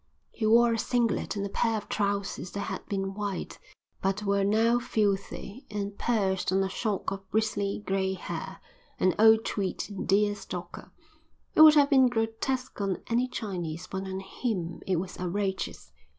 He wore a singlet and a pair of trousers that had been white, but were now filthy, and, perched on a shock of bristly, grey hair, an old tweed deer stalker. It would have been grotesque on any Chinese, but on him it was outrageous.